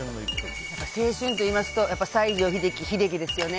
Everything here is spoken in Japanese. やっぱり青春って言いますと西城秀樹、秀樹ですよね。